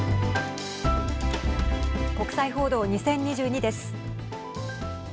国際報道２０２２です。